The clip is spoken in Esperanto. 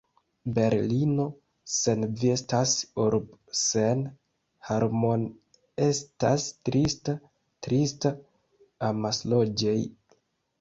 Berlino sen vi estas urb' sen harmoni' estas trista, trista, amasloĝej'